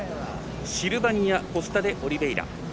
シルバニア・コスタデオリベイラ。